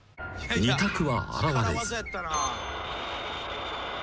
［二択は現れず］